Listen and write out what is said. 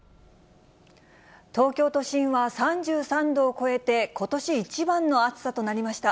東京都心は３３度を超えて、ことし一番の暑さとなりました。